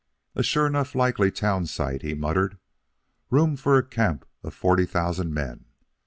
"A sure enough likely town site," he muttered. "Room for a camp of forty thousand men.